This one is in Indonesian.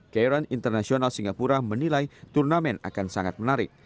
kairon international singapura menilai turnamen akan sangat menarik